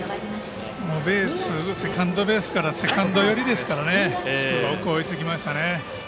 セカンドベースからセカンド寄りですからねよく追いつきましたね。